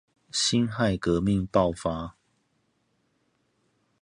辛亥革命爆發